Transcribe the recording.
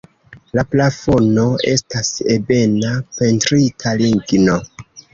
La plafono estas ebena pentrita ligno.